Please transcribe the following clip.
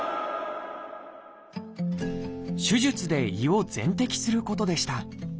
手術で胃を全摘することでした。